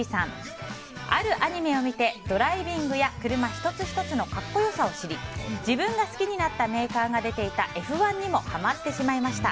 あるアニメを見てドライビングや車１つ１つの格好良さを知り自分が好きになったメーカーが出ていたＦ１にもハマってしまいました。